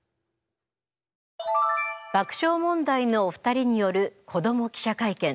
爆笑問題のお二人による「子ども記者会見」。